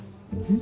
ん？